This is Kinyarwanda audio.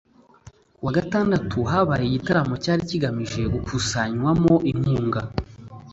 Kuwa Gatandatu habaye igitaramo cyari kigamije gukusanywamo inkunga